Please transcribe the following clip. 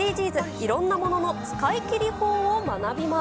いろんなものの使い切り法を学びます。